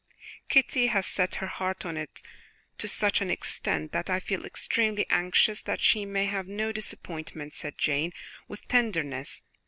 "Kitty has set her heart on it to such an extent, that I feel extremely anxious that she may have no disappointment," said Jane with tenderness.